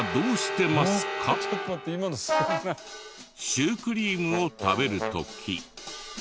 シュークリームを食べる時。